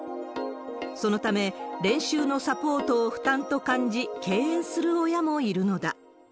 そのため、練習のサポートを負担と感じ、敬遠する親もいるのだ。